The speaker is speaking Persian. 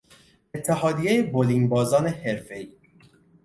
اتحادیهی بولینگبازان حرفهای